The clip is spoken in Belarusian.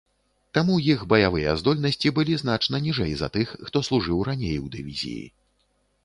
Таму іх баявыя здольнасці былі значна ніжэй за тых, хто служыў раней у дывізіі.